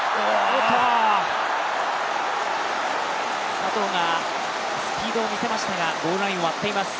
佐藤がスピードを見せましたがゴールラインを割っています。